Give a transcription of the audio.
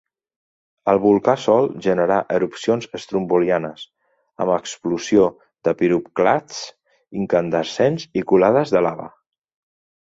El volcà sol generar erupcions estrombolianes amb expulsió de piroclasts incandescents i colades de lava.